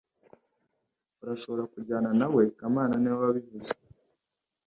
Urashobora kujyana nawe kamana niwe wabivuze